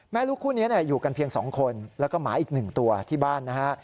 ลูกคู่นี้อยู่กันเพียง๒คนแล้วก็หมาอีก๑ตัวที่บ้านนะฮะ